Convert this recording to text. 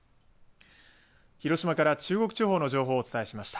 広島から中国地方の情報をお伝えしました。